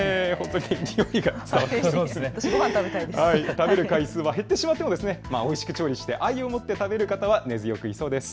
食べる回数は減ってしまってもおいしく調理して愛を持って食べる方は根強くいそうです。